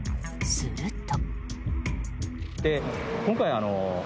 すると。